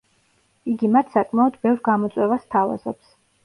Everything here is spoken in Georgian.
იგი მათ საკმაოდ ბევრ გამოწვევას სთავაზობს.